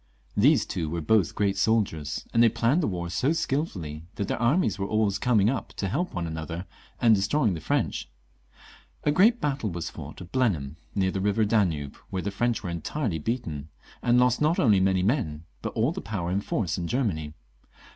These two were both great soldiers, and they planned the war so skilfully that their armies were always coming up to help one another and to destroy 358 LOUIS XIV, [CH. the FrenciL A great battle was fought at Blenheim^ near the river Danube, where the French were entirely beaten, and lost not only many men, but all their power and force in Germany.